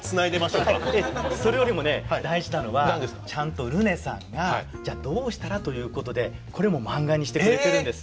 それよりもね大事なのはちゃんとルネさんがじゃあどうしたらということでこれも漫画にしてくれてるんです。